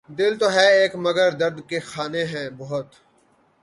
دل تو ہے ایک مگر درد کے خانے ہیں بہت